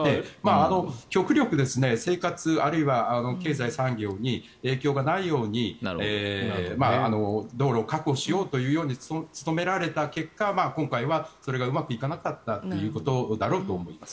極力生活あるいは経済、産業に影響がないように道路を確保しようと努められた結果今回はそれがうまくいかなかったということだろうと思います。